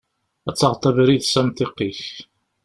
Ad taɣeḍ abrid s amḍiq-ik.